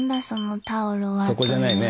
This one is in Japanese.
そこじゃないね。